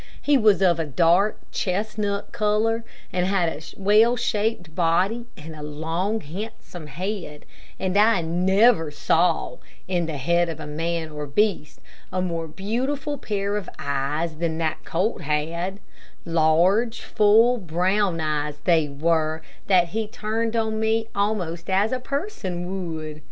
He was of a dark chestnut color, and had a well shaped body and a long, handsome head, and I never saw, in the head of a man or beast, a more beautiful pair of eyes than that colt had large, full, brown eyes they were that he turned on me almost as a person would.